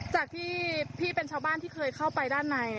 จากที่พี่เป็นชาวบ้านที่เคยเข้าไปด้านใน